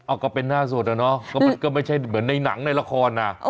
เอาก็เป็นหน้าสดอะเนาะก็มันก็ไม่ใช่เหมือนในหนังในละครนะ